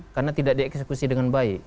karena tidak dieksekusi dengan baik